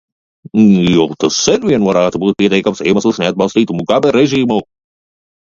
Jau tas vien varētu būt pietiekams iemesls neatbalstīt Mugabe režīmu.